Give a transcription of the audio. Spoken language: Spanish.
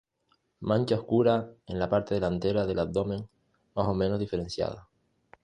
Mancha oscura en la parte delantera del abdomen más o menos diferenciada.